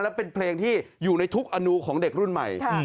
และเป็นเพลงที่อยู่ในทุกอนุของเด็กรุ่นใหม่